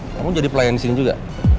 kamu jadi pelayan di sini juga